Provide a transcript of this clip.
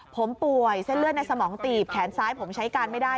ผมป่วยเส้นเลือดในสมองตีบแขนซ้ายผมใช้การไม่ได้